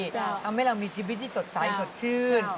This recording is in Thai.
ทำให้เรามีชีวิตที่สดใสสดชื่น